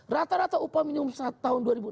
rata rata upah minimum tahun dua ribu enam belas